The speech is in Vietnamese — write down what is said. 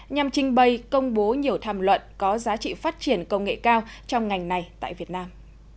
nhằm trình bày công bố nhiều tham luận có giá trị phát triển công nghệ cao trong ngành này tại việt nam